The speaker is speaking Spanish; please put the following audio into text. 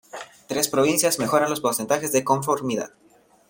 tres provincias mejoran los porcentajes de conformidad